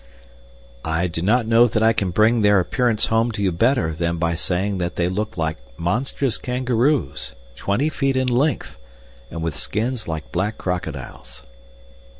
I do not know that I can bring their appearance home to you better than by saying that they looked like monstrous kangaroos, twenty feet in length, and with skins like black crocodiles.